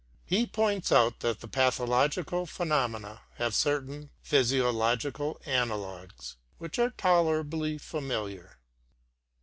He points out that the pathological phenomena have certain physiological analogues which are tolerably familiar.